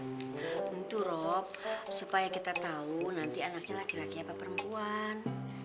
nah itu rap supaya kita tahu nanti anaknya laki laki apa perempuan